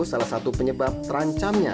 salah satu penyebab terancamnya